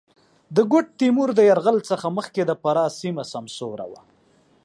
د ګوډ تېمور د یرغل څخه مخکې د فراه سېمه سمسوره وه.